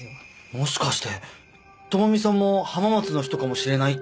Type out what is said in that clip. もしかして朋美さんも浜松の人かもしれないって事ですか？